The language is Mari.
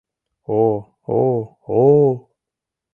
О-о, о-о, о-о-о!